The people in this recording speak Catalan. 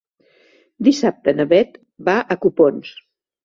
Dissabte na Beth va a Copons.